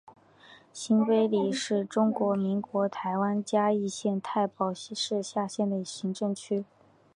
新埤里是中华民国台湾嘉义县太保市辖下的行政区。